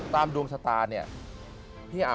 ตามดวงชาตา